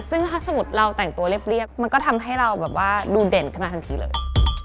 ซึ่งถ้าสมมุติเราแต่งตัวเรียบมันก็ทำให้เราแบบว่าดูเด่นขึ้นมาทันทีเลย